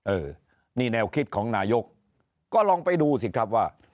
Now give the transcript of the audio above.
เออนี่แนวคิดของนายกก็ลองไปดูสิครับว่า